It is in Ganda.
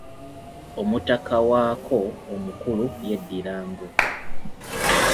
Omutaka waakwo omukulu yeddira ngo.